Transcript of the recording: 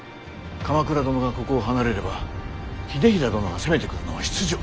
鎌倉殿がここを離れれば秀衡殿が攻めてくるのは必定。